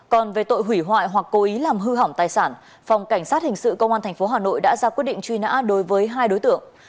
còn về tội hủy hoại hoặc cố ý làm hư hỏng tài sản phòng cảnh sát hình sự công an tp hà nội đã ra quyết định truy nã đối với hai đối tượng